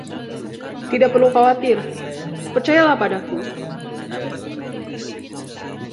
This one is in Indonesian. Tidak perlu khawatir, percayalah padaku.